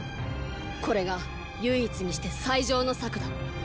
これが唯一にして最上の策だ。